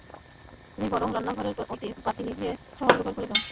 তুমি বরং রান্নাঘরের বাতি নিভিয়ে সব অন্ধকার করে দাও।